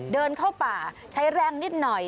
เดินเข้าป่าใช้แรงนิดหน่อย